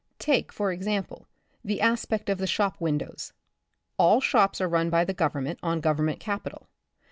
Take for example, the aspect of the shop win dows. All shops are run by the government on government capital.